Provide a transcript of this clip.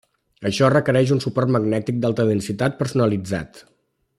Això requereix un suport magnètic d'alta densitat personalitzat.